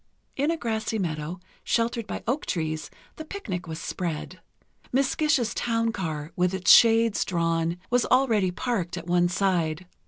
In a grassy meadow, sheltered by oak trees, the picnic was spread. Miss Gish's town car, with its shades drawn, was already parked at one side.